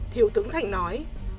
thiếu tướng thành nói